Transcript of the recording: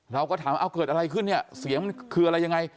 เราก็ถามเอาเกิดอะไรขึ้นเนี่ยเสียงมันคืออะไรยังไง